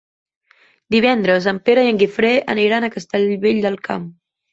Divendres en Pere i en Guifré aniran a Castellvell del Camp.